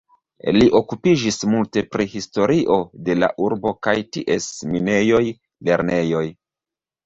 Li okupiĝis multe pri historio de la urbo kaj ties minejoj, lernejoj.